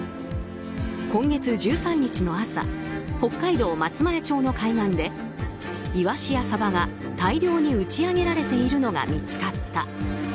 今月１３日の朝北海道松前町の海岸でイワシやサバが大量に打ち上げられているのが見つかった。